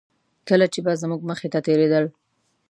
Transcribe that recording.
کله چې به زموږ مخې ته تېرېدل.